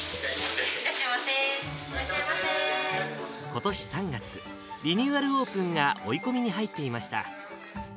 ことし３月、リニューアルオープンが追い込みに入っていました。